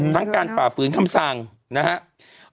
การฝ่าฝืนคำสั่งนะครับ